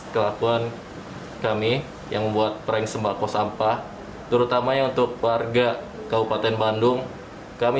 kelakuan kami yang membuat prank sembako sampah terutamanya untuk warga kabupaten bandung kami